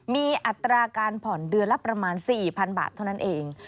มีอัตราการผ่อนเดือนละประมาณ๔๐๐๐บาทเท่านั้นเอง